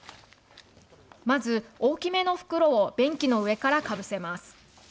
まず大きめの袋を便器の上からかぶせます。